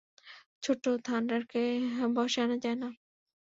ছোট্ট থান্ডারকে বশে আনা যায় না।